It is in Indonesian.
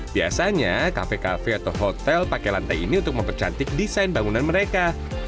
biasanya kafe kafe atau hotel pakai lantai ini untuk mempercantik desain bangunan mereka